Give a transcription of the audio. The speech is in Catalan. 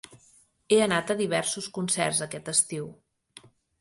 He anat a diversos concerts aquest estiu.